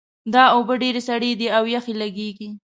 دا اوبه ډېرې سړې دي او یخې لګیږي